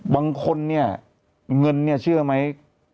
บางคนเนี่ยเงินเนี่ยเชื่อไหม